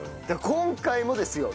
今回もですよ